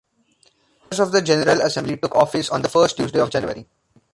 Members of the General Assembly took office on the first Tuesday of January.